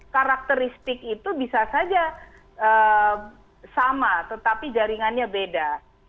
karakteristik itu bisa saja sama tetapi jaringannya beda